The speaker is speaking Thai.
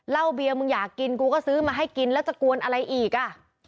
เบียร์มึงอยากกินกูก็ซื้อมาให้กินแล้วจะกวนอะไรอีกอ่ะ